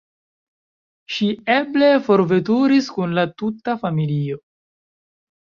Ŝi eble forveturis kun la tuta familio.